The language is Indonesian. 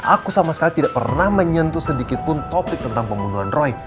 aku sama sekali tidak pernah menyentuh sedikitpun topik tentang pembunuhan roy